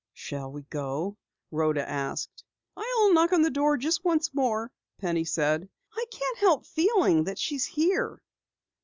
"Shall we go?" Rhoda asked. "I'll knock on the door just once more," Penny said. "I can't help feeling that she is here."